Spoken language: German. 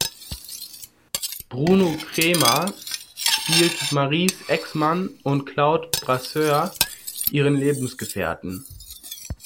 Bruno Cremer spielt Maries Ex-Mann und Claude Brasseur ihren Lebensgefährten.